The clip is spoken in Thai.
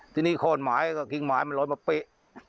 ทีนี้คอนหมาก็ครีกหมากอ่อนไว้ปะเป๊ะ